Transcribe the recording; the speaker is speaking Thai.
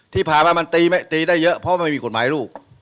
ที่ผ่านมามันตีได้เยอะเพราะไม่มีกฎหมายลูก